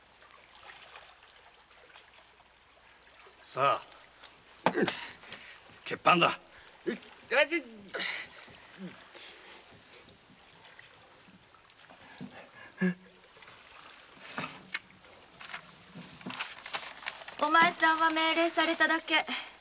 さ血判だお前さんは命令されただけ。